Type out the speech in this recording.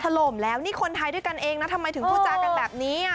ลมแล้วนี่คนไทยด้วยกันเองนะทำไมถึงพูดจากันแบบนี้